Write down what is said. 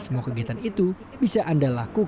dan memang menjadi pilihan yang menarik